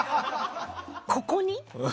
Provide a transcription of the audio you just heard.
ここに！？